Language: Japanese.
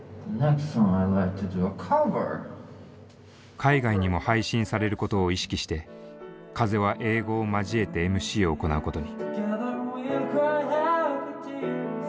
海外にも配信されることを意識して風は英語を交えてＭＣを行うことに。